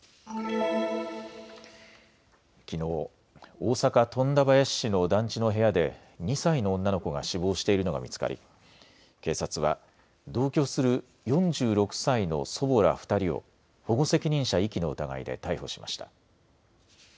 きのう大阪富田林市の団地の部屋で２歳の女の子が死亡しているのが見つかり警察は同居する４６歳の祖母ら２人を保護責任者遺棄の疑いで逮捕しました。